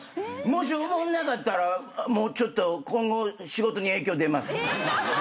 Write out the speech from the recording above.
もしおもんなかったらちょっと今後仕事に影響出ます。